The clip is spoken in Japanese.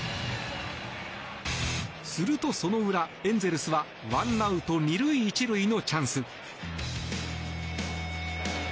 すると、その裏エンゼルスはワンアウト２塁１塁のチャンス。